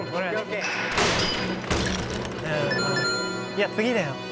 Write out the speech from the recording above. いや次だよ。